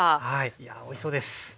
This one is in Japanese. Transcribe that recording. いやおいしそうです。